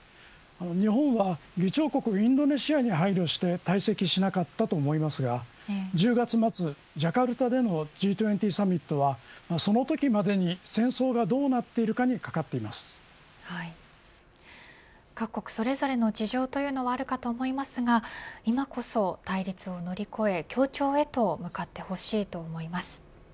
日本は、議長国インドネシアに配慮して退席しなかったと思いますが１０月末ジャカルタでのＧ２０サミットはそのときまでに戦争がどうなっているかに各国それぞれの事情というのはあるかと思いますが今こそ対立を乗り越え、協調へと向かってほしいと思います。